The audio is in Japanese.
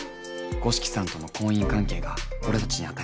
五色さんとの婚姻関係が俺たちに与える影響。